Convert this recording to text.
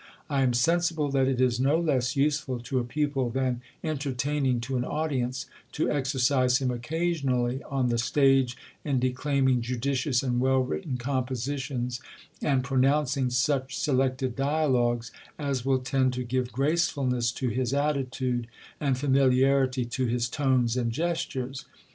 I am sensible that it is no less useful to a pupil than entertaining to an audience, to exerci:e him occasionally on the stage in declaiming judicious and well writtes compositions, and pronouncing such selected dialogues, as will tend to give gracefulness to his attitude, and familiarity to his tones and gestures.